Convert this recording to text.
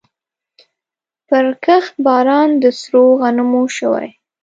پرکښت باران د سرو غنمو شوی